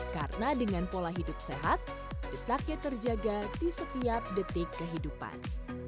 karena dengan pola hidup sehat detaknya terjaga di setiap detik kehidupan